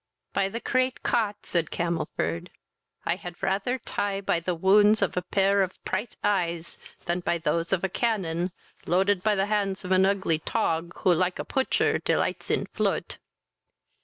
"By the crate Cot, (said Camelford,) I had rather tie by the wounds of a pair of pright eyes than by those of a cannon, loaded by the hands of an ugly tog, who like a putcher delights in ploot."